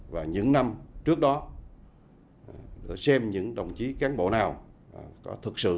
và những năm trước đó để xem những đồng chí cán bộ nào có thực sự